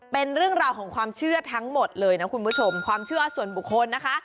เป็นเรื่องราวของความเชื่อทั้งหมดเลยนะคุณผู้ชมความเชื่อส่วนบุคคลนะคะ